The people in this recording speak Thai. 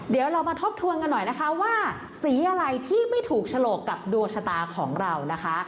เดี๋ยวเรามาทบทวนกันหน่อยนะคะว่าสีอะไรที่ไม่ถูกฉลกกับดวงชะตาของเรานะคะ